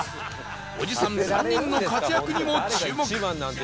おじさん３人の活躍にも注目